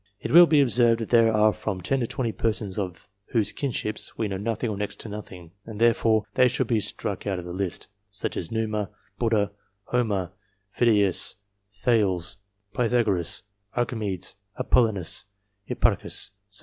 It will be observed that there are from 10 to 20 persons of whose kinships we know nothing or next to nothing, and therefore they should be struck out of the list, such as Numa, Buddha, Homer, Phidias, Thales, Pythagoras, Archimedes, Apollonius, Hipparchus, St. Paul.